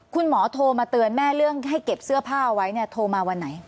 โทรมาเตือนแม่เรื่องให้เก็บเสื้อผ้าเอาไว้เนี่ยโทรมาวันไหน